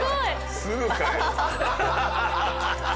すごい！